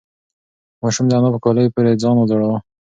ماشوم د انا په کالیو پورې ځان وځړاوه.